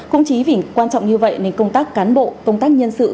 không chỉ vì quan trọng như vậy nên công tác cán bộ công tác nhân sự